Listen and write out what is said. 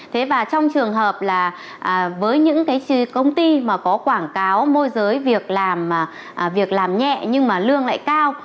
thế và trong trường hợp là với những công ty mà có quảng cáo môi giới việc làm nhẹ nhưng mà lương lại cao